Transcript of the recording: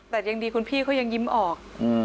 แต่ยังดีคุณพี่เขายังยิ้มออก